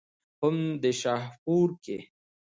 هم دې شاهپور کښې